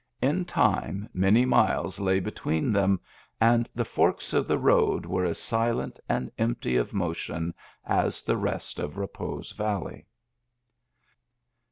In time many miles lay between them, and the forks of the road were as silent and empty of motion as the rest of Repose Valley.